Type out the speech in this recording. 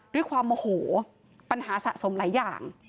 ด้วยความโมโหปัญหาสะสมหลายอย่าง